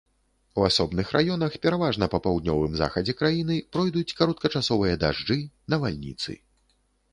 У асобных раёнах, пераважна па паўднёвым захадзе краіны, пройдуць кароткачасовыя дажджы, навальніцы.